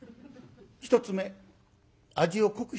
１つ目味を濃くして出した。